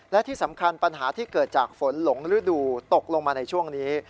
และที่สำคัญปัญหาที่เกิดจากฝนหลงฤดูตกลงมาในช่วงนี้